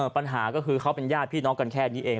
ปัญหาก็คือเขาเป็นญาติพี่น้องกันแค่นี้เอง